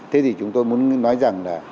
thế thì chúng tôi muốn nói rằng là